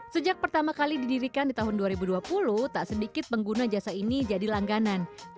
sejak pertama kali didirikan di tahun dua ribu dua puluh tak sedikit pengguna jasa ini jadi langganan